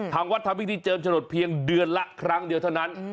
ทางวัดทำพิธีเจิมโฉนดเพียงเดือนละครั้งเดียวเท่านั้น